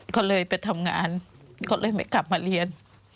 ก็เลยไปทำงานก็เลยไม่กลับมาเรียน